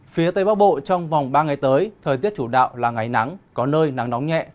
phía tây bắc bộ trong vòng ba ngày tới thời tiết chủ đạo là ngày nắng có nơi nắng nóng nhẹ